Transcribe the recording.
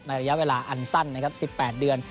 ระยะเวลาอันสั้นนะครับ๑๘เดือน